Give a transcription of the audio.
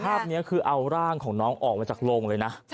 ภาพนี้คือเอาร่างของน้องออกมาจากโรงเลยนะ